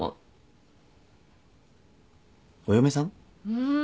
うん。